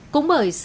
cũng bởi sự